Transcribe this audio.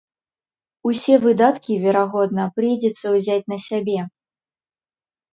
Усе выдаткі, верагодна, прыйдзецца ўзяць на сябе.